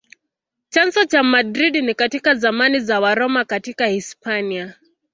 Chanzo cha Madrid ni katika zamani za Waroma katika Hispania.